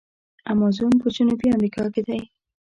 امازون په جنوبي امریکا کې دی.